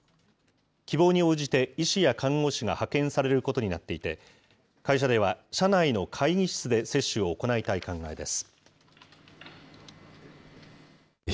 希望に応じて医師や看護師が派遣されることになっていて、会社では、社内の会議室で接種を行いたい考えです。